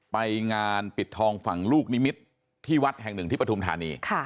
ไปงานปิดทองฝั่งลูกนิมิตรที่วัดแห่งหนึ่งที่ปฐุมธานี